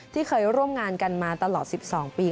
ที่เคยร่วมงานกันมาตลอด๑๒ปี